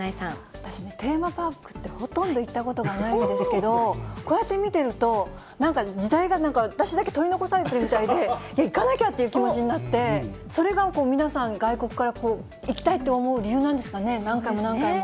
私ね、テーマパークって、ほとんど行ったことがないんですけど、こうやって見てると、なんか時代が、私だけ取り残されてるみたいで、行かなきゃっていう気持ちになって、それがこう、皆さん、外国から行きたいって思う理由なんですかね、何回も何回も。